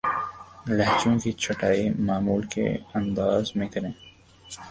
لہجوں کی چھٹائی معمول کے انداز میں کریں